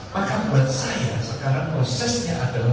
maka buat saya sekarang prosesnya adalah